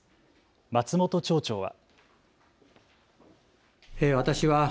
松本町長は。